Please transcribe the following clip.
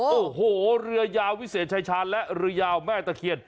โอ้โหเรือยาววิเศษชายชาญและเรือยาวแม่ตะเคียน